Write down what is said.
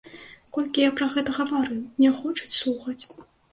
Колькі я пра гэта гаварыў, не хочуць слухаць.